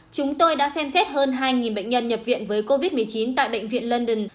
chúng tôi đã xem xét hơn hai bệnh nhân nhập viện với covid một mươi chín tại bệnh viện london